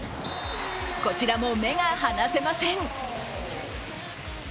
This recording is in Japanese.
こちらも目が離せません。